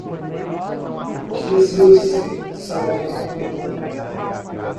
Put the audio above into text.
Jesus salva!